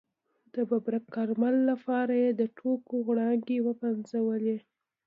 د ببرک کارمل لپاره یې د ټوکو غړانګې وپنځولې.